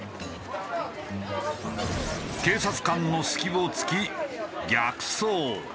警察官の隙を突き逆走。